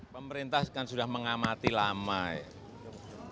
pemerintah kan sudah mengamati lama ya